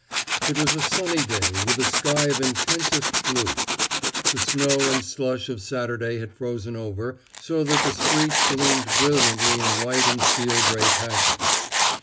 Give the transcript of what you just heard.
It was a sunny day with a sky of intensest blue. The snow and slush of Saturday had frozen over, so that the streets gleamed brilliantly in white and steel gray patches.